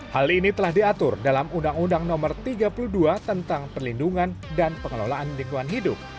hal ini telah diatur dalam undang undang no tiga puluh dua tentang perlindungan dan pengelolaan lingkungan hidup